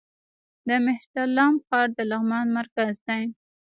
د مهترلام ښار د لغمان مرکز دی